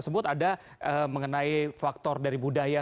sebut ada mengenai faktor dari budaya